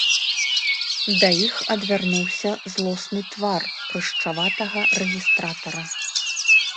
Да іх адвярнуўся злосны твар прышчаватага рэгістратара.